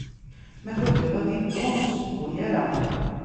Ma tugiḍ ad iddu, ur nettṣubbu ara.